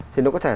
thì nó có thể